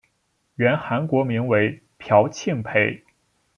原韩国名为朴庆培。